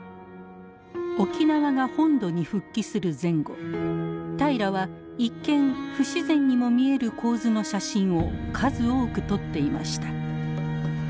沖縄が本土に復帰する前後平良は一見不自然にも見える構図の写真を数多く撮っていました。